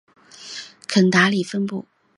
肯达里分布。